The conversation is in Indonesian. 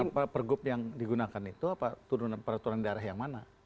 tapi pergub yang digunakan itu apa turunan peraturan daerah yang mana